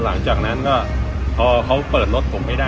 หลังจากนั้นก็พอเขาเปิดรถผมไม่ได้